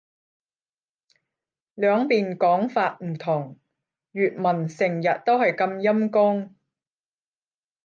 兩邊講法唔同。粵文成日都係咁陰功